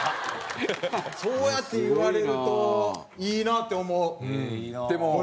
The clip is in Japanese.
そうやって言われるといいなって思うこれは。